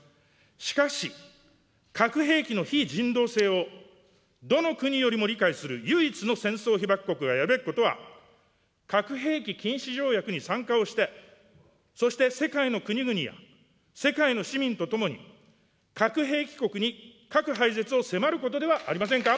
しかし、核兵器の非人道性をどの国よりも理解する、唯一の戦争被爆国がやるべきことは、核兵器禁止条約に参加をして、そして世界の国々や世界の市民と共に、核兵器国に核廃絶を迫ることではありませんか。